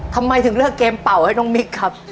ทำไมถึงเลือกเกมเป่าให้น้องมิกครับ